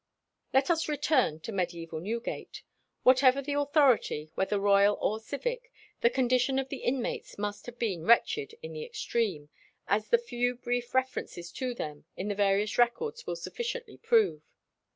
Let us return to mediæval Newgate. Whatever the authority, whether royal or civic, the condition of the inmates must have been wretched in the extreme, as the few brief references to them in the various records will sufficiently prove.